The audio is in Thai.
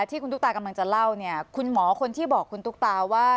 ที่คุณตุ๊กตากำลังจะเล่าเนี่ยคุณหมอคนที่บอกคุณตุ๊กตาว่า